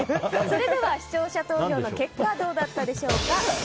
それでは視聴者投票の結果どうだったでしょうか。